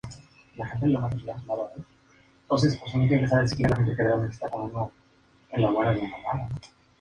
Siete estancias en cuartetos endecasílabos.